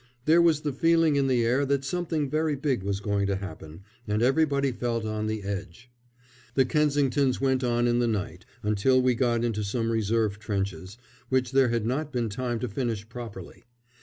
There was the feeling in the air that something very big was going to happen, and everybody felt on the "edge." The Kensingtons went on in the night until we got into some reserve trenches, which there had not been time to finish properly.